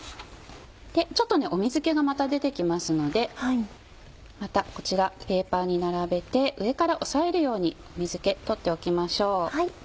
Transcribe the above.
ちょっと水気がまた出て来ますのでまたこちらペーパーに並べて上から押さえるように水気取っておきましょう。